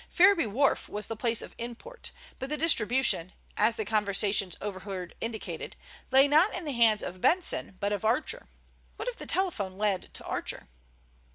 Ferriby wharf was the place of import, but the distribution, as the conversations overheard indicated, lay not in the hands of Benson but of Archer. What if the telephone led to Archer?